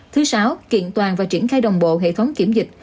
thứ sáu kiện toàn và triển khai đồng bộ hệ thống kiểm dịch